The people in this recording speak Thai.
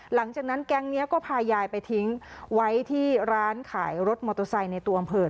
หลังจากนั้นแก๊งนี้ก็พายายไปทิ้งไว้ที่ร้านขายรถมอเตอร์ไซค์ในตัวอำเภอ